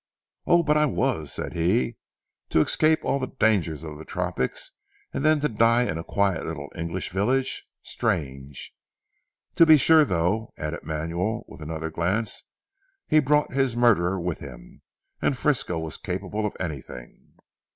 "Oh, but I was," said he "to escape all the dangers of the tropics, and then to die in a quiet little English village. Strange! To be sure though," added Manuel with another glance, "he brought his murderer with him. And Frisco was capable of anything!"